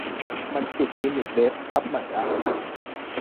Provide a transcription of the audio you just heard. มันติดลิมิตเว็บ อัปใหม่ละ